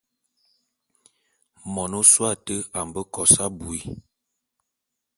Mon ôsôé ate a mbe kos abui.